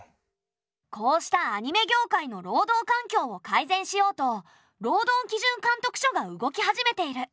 こうしたアニメ業界の労働環境を改善しようと労働基準監督署が動き始めている。